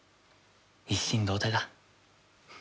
一心同体だ。